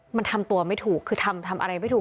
มันทำตัวไม่ถูกคือทำอะไรไม่ถูก